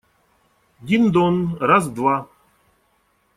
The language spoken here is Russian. Дин-дон… раз, два!..»